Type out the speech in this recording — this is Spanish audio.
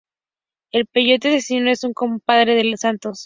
El "Peyote Asesino" es un compadre del Santos.